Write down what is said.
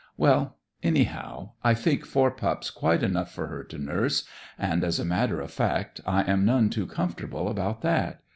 "Well, anyhow, I think four pups quite enough for her to nurse. And, as a matter of fact, I am none too comfortable about that.